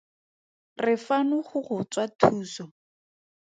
Re fano go go tswa thuso.